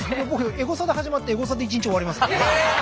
エゴサで始まってエゴサで一日終わりますからね。